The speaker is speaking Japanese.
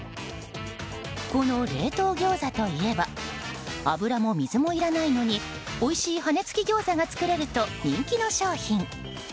この冷凍ギョーザといえば油も水もいらないのにおいしい羽根つきギョーザが作れると人気の商品。